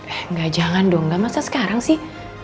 eh gak jangan dong gak masa sekarang sih